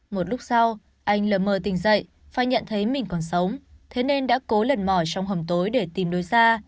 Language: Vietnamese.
một lúc sau anh lờ mờ tỉnh dậy và nhận thấy mình còn sống thế nên đã cố lần mỏi trong hầm tối để tìm đối xa